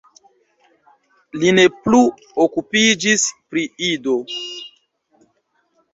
Li ne plu okupiĝis pri Ido.